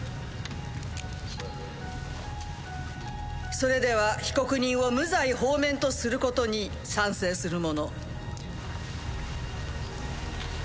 それでは被告人を無罪放免とすることに賛成する者